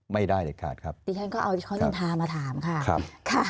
ไม่ได้เด็ดขาดครับดิฉันก็เอาที่เขานินทามาถามค่ะครับค่ะ